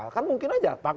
kan mungkin aja